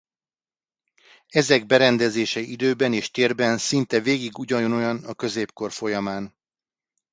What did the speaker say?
Ezek berendezése időben és térben szinte végig ugyanolyan a középkor folyamán.